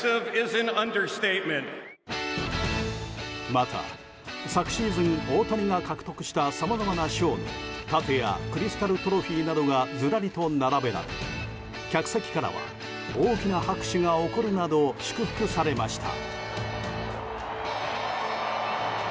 また昨シーズン、大谷が獲得したさまざまな賞の盾やクリスタルトロフィーなどがずらりと並べられ客席からは大きな拍手が起こるなど祝福されました。